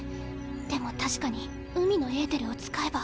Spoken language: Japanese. でも確かに海のエーテルを使えば。